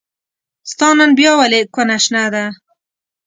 ستا نن بيا ولې کونه شنه ده